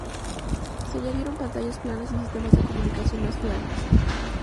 Se añadieron pantallas planas y sistemas de comunicación más fiables.